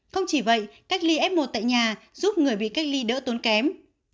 không chỉ vậy cách ly f một tại nhà giúp người bị cách ly đỡ tốn kém